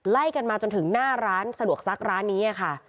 ไล่กันมาจนถึงหน้าร้านสะดวกซักร้านนี้ค่ะ